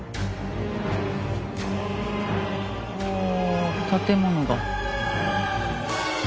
あ建物が。